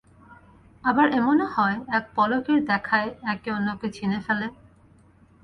আবার এমনও হয়, এক পলকের দেখায় একে অন্যকে চিনে ফেলে।